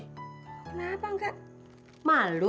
kenapa enggak malu